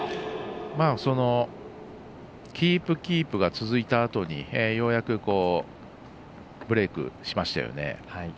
キープ、キープが続いたあとにようやくブレークしましたよね。